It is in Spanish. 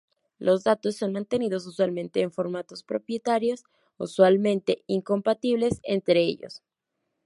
Los datos son mantenidos usualmente en formatos propietarios, usualmente incompatibles entre ellos.